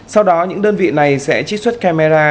sau đó những đơn vị này sẽ trích xuất camera